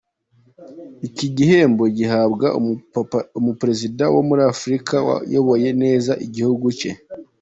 Iki gihembo gihabwa umuperezida wo muri Afurika wayoboye neza igihugu cye.